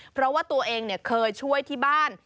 เพราะว่าตัวเองเคยช่วยที่บ้าน